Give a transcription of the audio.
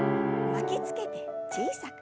巻きつけて小さく。